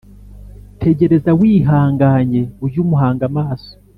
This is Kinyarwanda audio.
Tegereza wihanganye ujyumuhanga amaso